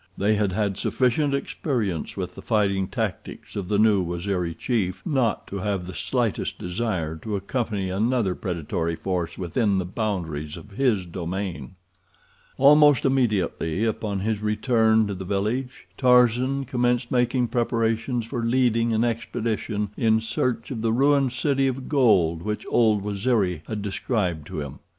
They had had sufficient experience with the fighting tactics of the new Waziri chief not to have the slightest desire to accompany another predatory force within the boundaries of his domain. Almost immediately upon his return to the village Tarzan commenced making preparations for leading an expedition in search of the ruined city of gold which old Waziri had described to him.